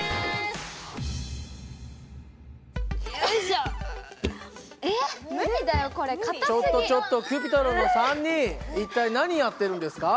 ちょっとちょっとＣｕｐｉｔｒｏｎの３人一体何やってるんですか？